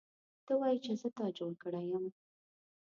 ته وایې چې زه تا جوړ کړی یم